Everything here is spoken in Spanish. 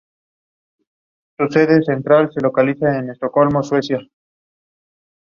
En estos comicios resultó ganador Raúl Leoni.